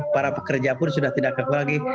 para pekerja pun sudah tidak kaku lagi